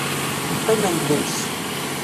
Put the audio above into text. Qqimen deg-s.